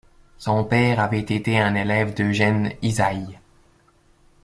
Son père avait été un élève d'Eugène Ysaÿe.